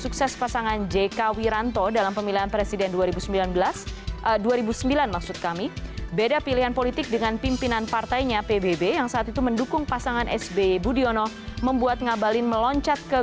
kepala kepala kepala